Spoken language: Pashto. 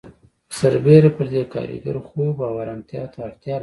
سربېره پر دې کارګر خوب او آرامتیا ته اړتیا لري